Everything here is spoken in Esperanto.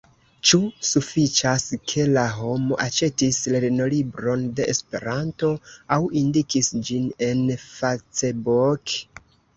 Ĉu sufiĉas, ke la homo aĉetis lernolibron de Esperanto, aŭ indikis ĝin en Facebook?